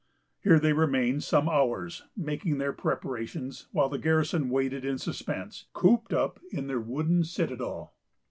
Here they remained some hours, making their preparations, while the garrison waited in suspense, cooped up in their wooden citadel.